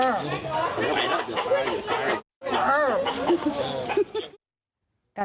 เอาไก่ขึ้นมา